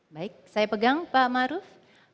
baik saya pegang pak maruf